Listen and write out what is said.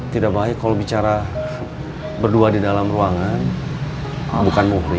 tidak baik kalau bicara berdua di dalam ruangan bukan muhri